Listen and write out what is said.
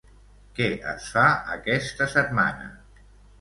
Què es fa aquesta setmana?